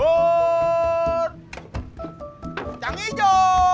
pur cang ijo